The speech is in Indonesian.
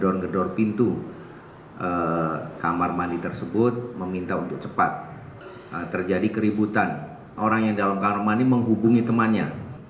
didorong gedor pintu kamar mandi tersebut meminta untuk cepat terjadi keributan orang yang dalam kamar mandi menghubungi temannya